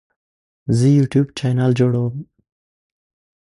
زه د یوټیوب چینل جوړوم.